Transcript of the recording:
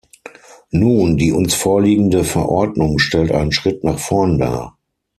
Nun, die uns vorliegende Verordnung stellt einen Schritt nach vorn dar.